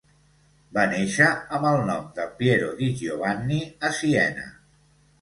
Va néixer amb el nom de Piero di Giovanni a Siena.